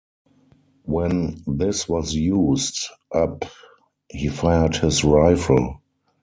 When this was used up he fired his rifle.